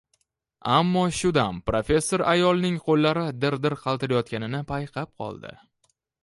Ammo shu dam professor ayolning qo`llari dir-dir qaltirayotganini payqab qoldi